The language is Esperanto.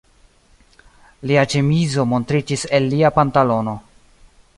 Lia ĉemizo montriĝis el lia pantalono.